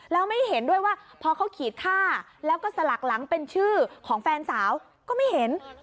แล้วไม่เห็นด้วยว่าพอเขาขีดค่าแล้วก็สลักหลังเป็นชื่อของแฟนสาวก็ไม่เห็น